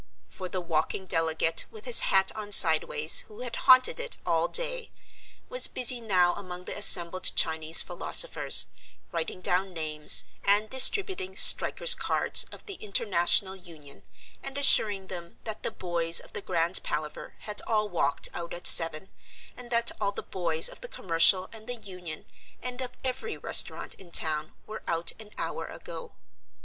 For the walking delegate with his hat on sideways, who had haunted it all day, was busy now among the assembled Chinese philosophers, writing down names and distributing strikers' cards of the International Union and assuring them that the "boys" of the Grand Palaver had all walked out at seven, and that all the "boys" of the Commercial and the Union and of every restaurant in town were out an hour ago.